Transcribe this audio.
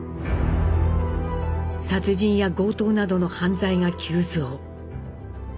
殺人や強盗などの犯罪が急増。